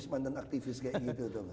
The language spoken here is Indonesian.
mantan aktivis kayak gitu